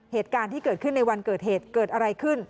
เหตุการณ์ที่เกิดขึ้นในวันเกิดเหตุเกิดอะไรขึ้น